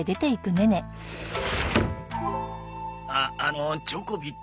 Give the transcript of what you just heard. あっあのチョコビって。